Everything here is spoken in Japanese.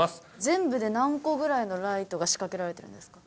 全部で何個ぐらいのライトが仕掛けられてるんですか？